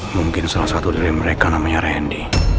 mungkin salah satu dari mereka namanya randy